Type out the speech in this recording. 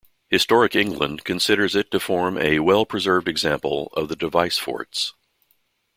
Historic England considers it to form a "well preserved example" of the Device Forts.